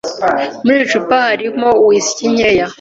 Muri icupa harimo whisky nkeya.